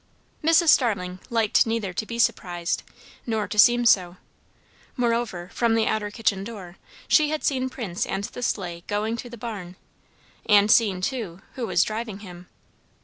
Mrs. Starling liked neither to be surprised, nor to seem so. Moreover, from the outer kitchen door she had seen Prince and the sleigh going to the barn, and seen, too, who was driving him.